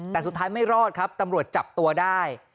แต่สุดท้ายไม่รอดครับตำรวจจับตัวได้